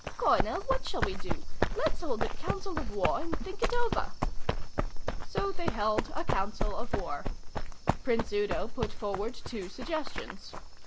Coronel, what shall we do? Let's hold a council of war and think it over." So they held a council of war. Prince Udo put forward two suggestions.